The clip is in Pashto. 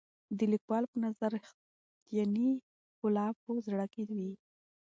د لیکوال په نظر رښتیانۍ ښکلا په زړه کې وي.